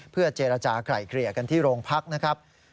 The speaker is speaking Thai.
เพื่อเจรจากลายเกลี่ยกันที่โรงพักนะครับ